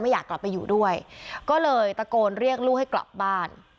อยากกลับไปอยู่ด้วยก็เลยตะโกนเรียกลูกให้กลับบ้าน